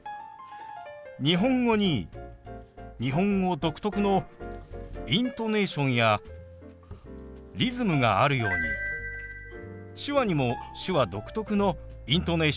日本語に日本語独特のイントネーションやリズムがあるように手話にも手話独特のイントネーションやリズムがあります。